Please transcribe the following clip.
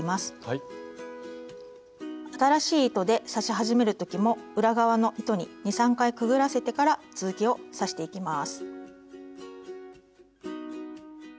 新しい糸で刺し始める時も裏側の糸に２３回くぐらせてから続きを刺していきます。